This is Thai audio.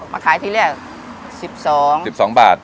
มาขายที่แรกสิบสองสิบสองบาท